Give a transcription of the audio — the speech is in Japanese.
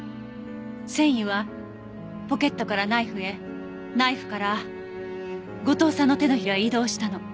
繊維はポケットからナイフへナイフから後藤さんの手のひらへ移動したの。